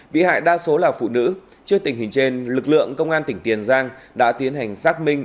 bị hại đa số là phụ nữ trước tình hình trên lực lượng công an tỉnh tiền giang đã tiến hành xác minh